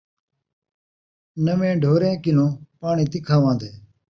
نیویں ڈھوریں کنوں پاݨی تکھا وہن٘دے